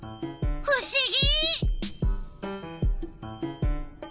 ふしぎ！